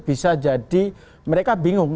bisa jadi mereka bingung